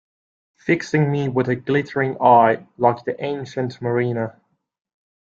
Fixing me with a glittering eye, like the Ancient Mariner.